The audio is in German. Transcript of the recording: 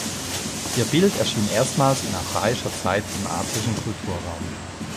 Ihr Bild erschien erstmals in archaischer Zeit im attischen Kulturraum.